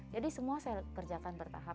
jadi semua saya kerjakan bertahap